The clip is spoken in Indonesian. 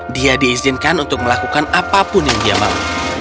dia diizinkan untuk melakukan apapun yang dia mau